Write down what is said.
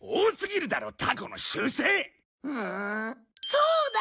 そうだ！